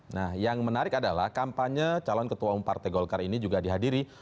nah yang menarik adalah kampanye calon ketua umum partai golkar ini juga dihadiri